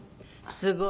すごい。